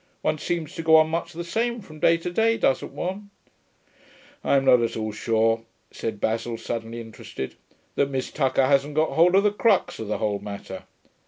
One seems to go on much the same from day to day, doesn't one?' 'I'm not at all sure,' said Basil, suddenly interested, 'that Miss Tucker hasn't got hold of the crux of the whole matter.